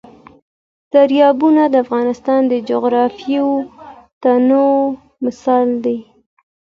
دریابونه د افغانستان د جغرافیوي تنوع مثال دی.